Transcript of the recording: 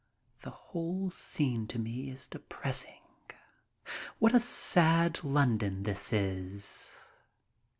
The whole scene to me is depressing. What a sad London this is!